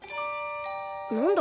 何だ？